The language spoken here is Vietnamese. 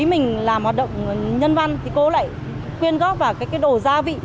khi mình làm hoạt động nhân văn thì cô lại quyên góp vào cái đồ gia vị